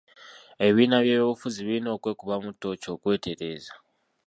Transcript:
Ebibiina by'ebyobufuzi birina okwekubamu ttooki okwetereeza.